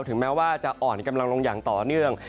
แม้ว่าจะอ่อนกำลังลงอย่างต่อเนื่อง